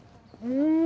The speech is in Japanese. うん！